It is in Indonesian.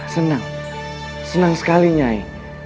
senang senang sekali nyai